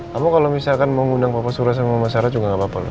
kamu kalau misalkan mau ngundang papa suras sama mama sarah juga gapapa loh